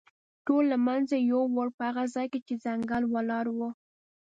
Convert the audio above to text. ټول له منځه یووړ، په هغه ځای کې چې ځنګل ولاړ و.